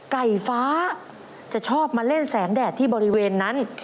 ไก่ฟ้าจะชอบมาเล่นแสงแดดที่บริเวณนั้น